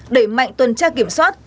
để mạnh tuần tra kiểm soát